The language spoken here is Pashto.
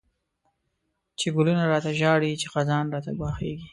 چی گلونه را ته ژاړی، چی خزان راته گواښیږی